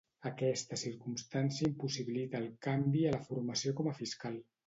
Aquesta circumstància impossibilita el canvi a la formació com a fiscal.